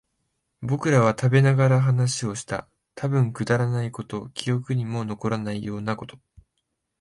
僕らは食べながら話をした。たぶんくだらないこと、記憶にも残らないようなこと。